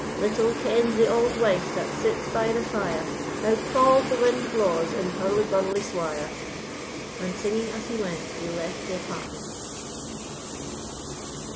Little kens the auld wife that sits by the fire, How cauld the wind blaws in hurle burle swire." And singing as he went, he left the apartment.